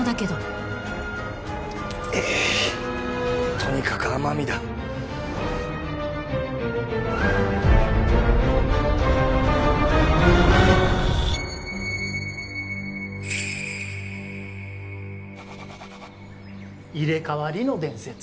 とにかく奄美だ入れ替わりの伝説？